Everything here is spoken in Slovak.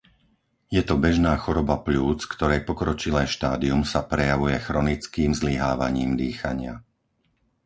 Je to bežná choroba pľúc, ktorej pokročilé štádium sa prejavuje chronickým zlyhávaním dýchania.